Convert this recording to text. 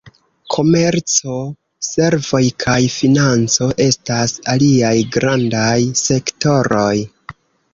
Komerco, servoj kaj financo estas aliaj grandaj sektoroj.